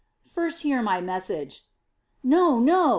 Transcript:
"First hear my message." "No, no!"